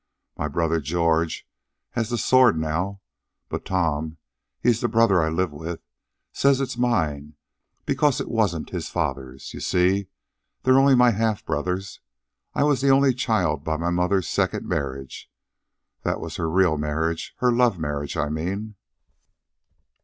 My brother George has the sword now, but Tom he's the brother I live with says it is mine because it wasn't his father's. You see, they're only my half brothers. I was the only child by my mother's second marriage. That was her real marriage her love marriage, I mean."